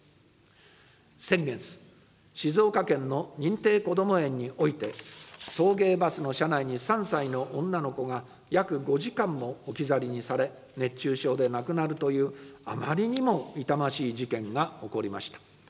先月、静岡県の認定こども園において、送迎バスの車内に３歳の女の子が約５時間も置き去りにされ、熱中症で亡くなるという、あまりにも痛ましい事件が起こりました。